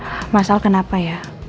haa mas al kenapa ya